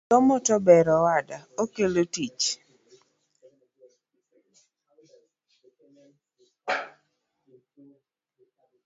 Somo tober owada, okelo tich